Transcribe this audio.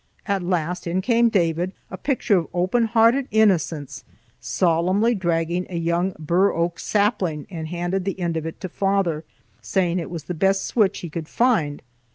At last, in came David, a picture of open hearted innocence, solemnly dragging a young bur oak sapling, and handed the end of it to father, saying it was the best switch he could find.